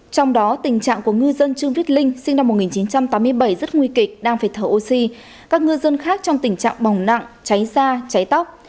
trong đó tình trạng của ngư dân trương viết linh sinh năm một nghìn chín trăm tám mươi bảy rất nguy kịch đang phải thở oxy các ngư dân khác trong tình trạng bỏng nặng cháy da cháy tóc